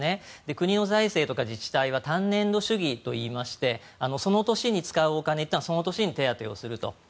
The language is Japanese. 国の財政とか自治体は単年度主義といいましてその年に使うお金というのはその年に手当てをすると。